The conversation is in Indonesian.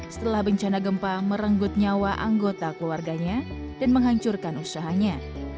setelah bencana gempa merenggut nyawa anggota keluarganya dan menghancurkan usahanya